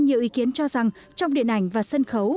nhiều ý kiến cho rằng trong điện ảnh và sân khấu